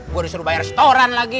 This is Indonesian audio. gua diurusin bayar setoran lagi